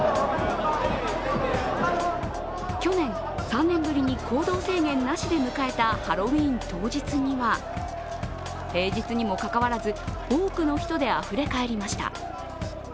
去年３年ぶりに行動制限なしで迎えたハロウィーン当日には、平日にもかかわらず、多くの人であふれ返りました。